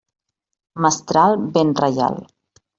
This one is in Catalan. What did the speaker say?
Mestral, vent reial.